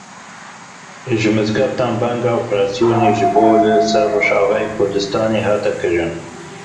Ji mizgeftan banga operasyonê ji bo li ser Rojavayê Kurdistanê hat kirin.